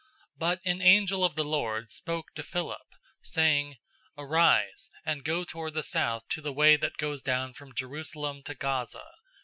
008:026 But an angel of the Lord spoke to Philip, saying, "Arise, and go toward the south to the way that goes down from Jerusalem to Gaza.